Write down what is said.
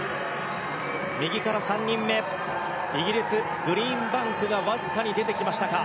右から３人目、イギリスグリーンバンクがわずかに出てきたか。